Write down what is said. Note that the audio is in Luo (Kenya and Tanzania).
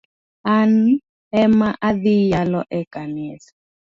An ema adhii yalo e kanisa